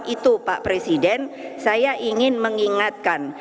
itu pak presiden saya ingin mengingatkan